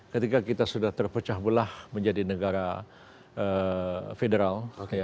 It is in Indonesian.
ketika kita sudah terpecah belah menjadi negara federal